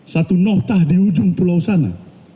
satu noktah di ujung pulau sana